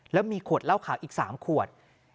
แล้วมีขวดเหล้าขาวอีก๓ขวด